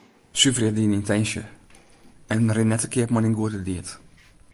Suverje dyn yntinsje en rin net te keap mei dyn goede died.